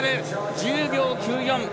１０秒９４。